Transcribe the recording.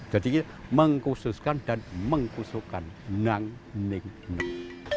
jadi kita mengkhususkan dan mengkusukan nang hening nep